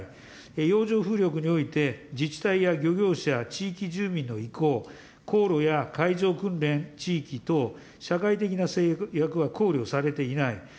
洋上風力において、自治体や漁業者、地域住民の意向、航路や海上訓練地域等、社会的な制約は考慮されていない。